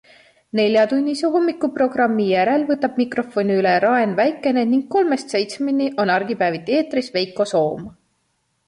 Neljatunnise hommikuprogrammi järel võtab mikrofoni üle Raen Väikene ning kolmest seitsmeni on argipäeviti eetris Veiko Soom.